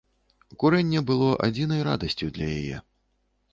Курэнне было адзінай радасцю для яе.